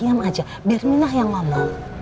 iya kang diam aja biar minah yang ngomong